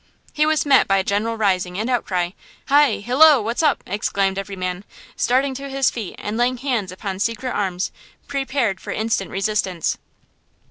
He was met by a general rising and outcry: "Hi! hillo! what's up?" exclaimed every man, starting to his feet and laying hands upon secret arms, prepared for instant resistance.